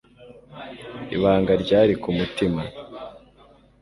ibanga ryari ku mutima